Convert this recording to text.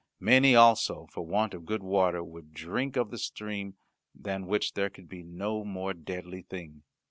Many also, for want of good water, would drink of the stream, than which there could be no more deadly thing.